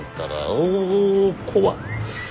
お怖っ。